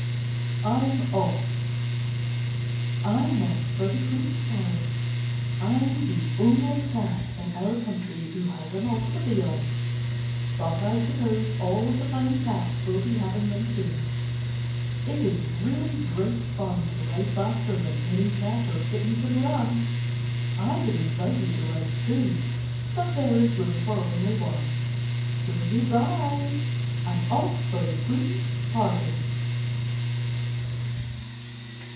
t: ri 18 KITTENS AND CATS I^M OFF I 'm off for the Queen's palace. I 'm the only cat in our country who has an automobile. But I suppose all the fine cats will be having them soon. It is really great fun to ride faster than any c^t or kitten can run. I would invite you to ride too, but there is room for only one. So, good bye ! I 'm off for the Queen's party.